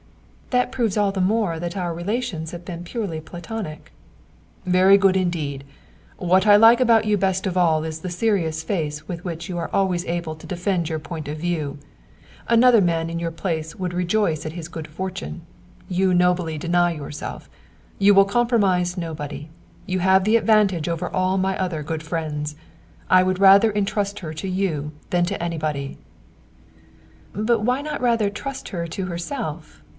'" "That proves all the more that our relations have been purely Platonic." "Very good indeed! What I like about you best of all is the serious face with which you are always able to defend your point of view. Another man in your place would rejoice at his good fortune; you nobly deny yourself. You will compromise nobody. You have that advantage over all my other good friends. I would rather entrust her to you than to anybody." "But why not rather trust her to herself?